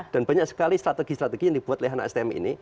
dan banyak sekali strategi strategi yang dibuat oleh anak stm ini